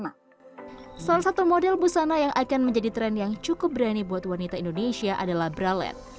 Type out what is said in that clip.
salah satu model busana yang akan menjadi tren yang cukup berani buat wanita indonesia adalah bralet